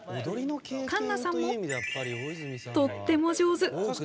環奈さんもとっても上手。